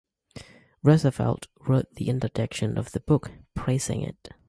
Roosevelt wrote the introduction to the book, praising it.